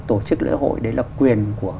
tổ chức lễ hội đấy là quyền của